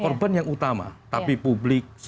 korban yang utama tapi publik